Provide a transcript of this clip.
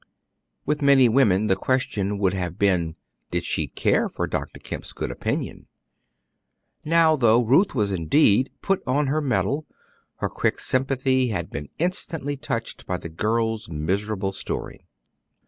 With many women the question would have been, did she care for Dr. Kemp's good opinion? Now, though Ruth was indeed put on her mettle, her quick sympathy had been instantly touched by the girl's miserable story.